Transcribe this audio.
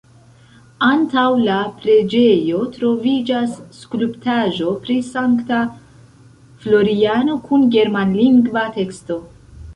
Antaŭ la preĝejo troviĝas skulptaĵo pri Sankta Floriano kun germanlingva teksto.